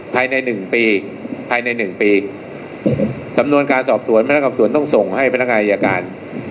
ภายใน๑ปีภายใน๑ปีสำนวนการสอบส่วนพนักอับส่วนต้องส่งให้พนักงานอิยาการ